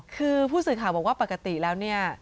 คือผู้สื่อข่าวบอกว่าปกติแล้วเนี่ย